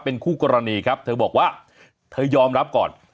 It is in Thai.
เป็นคู่กรณีครับเธอบอกว่าเธอยอมรับก่อน